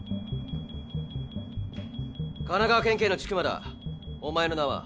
神奈川県警の千曲だお前の名は？